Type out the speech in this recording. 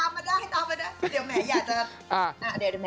มันตามมาได้ตามมาได้